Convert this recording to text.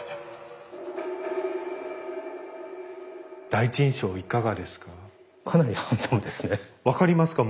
第一印象いかがですか？